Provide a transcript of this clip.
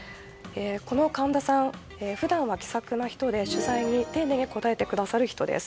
神田さん、普段は気さくな人で取材に丁寧に答えてくださる人です。